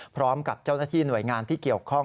พร้อมกับเจ้าหน้าที่หน่วยงานที่เกี่ยวข้อง